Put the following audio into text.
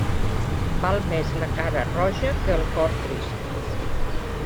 Val més la cara roja que el cor trist.